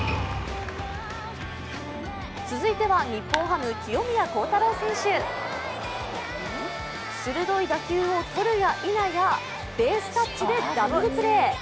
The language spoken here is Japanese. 続いては日本ハム・清宮幸太郎選手鋭い打球をとるやいなや、ベースタッチでダブルプレー。